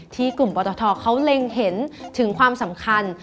ที่กลุ่มปตทเขาเล็งเห็นถึงความสำคัญ